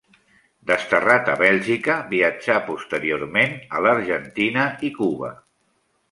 Desterrat a Bèlgica, viatjà posteriorment a l'Argentina i Cuba.